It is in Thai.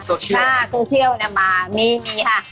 สโชเชียลสโชเชียลมามีค่ะ